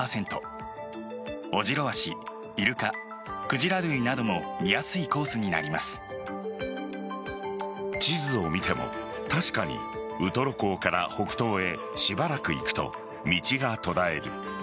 オジロワシ、イルカクジラ類なども地図を見ても確かに、ウトロ港から北東へしばらく行くと道が途絶える。